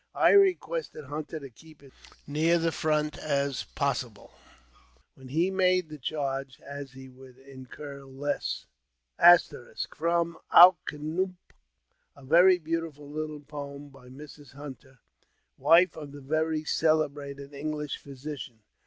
I requested Hunter to keep as near the front possible when we made the charge, as he would incur les 4 1 * From " Alknoomook," a very beautiful little poem by Mrs. Hunter, wife of the very celebrated English physician.